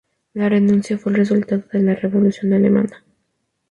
La renuncia fue el resultado de la Revolución Alemana.